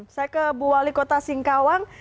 saya ke bu wali kota singkawang